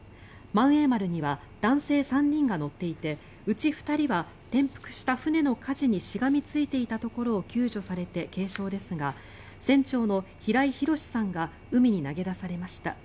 「萬栄丸」には男性３人が乗っていてうち２人は転覆した船のかじにしがみついていたところを救助されて軽傷ですが船長の平井博さんが海に投げ出されました。